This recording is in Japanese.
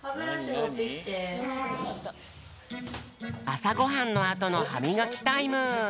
あさごはんのあとのはみがきタイム。